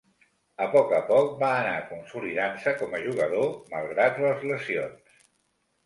A poc a poc va anar consolidant-se com a jugador, malgrat les lesions.